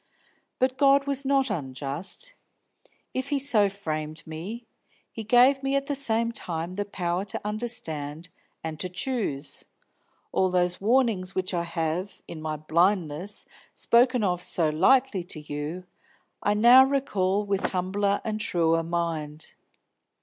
But God was not unjust; if He so framed me, He gave me at the same time the power to understand and to choose. All those warnings which I have, in my blindness, spoken of so lightly to you, I now recall with humbler and truer mind.